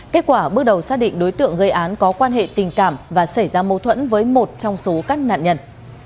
kết quả bước đầu xác định đối tượng gây án có quan hệ tình cảm và xảy ra mâu thuẫn với một trong số các nạn nhân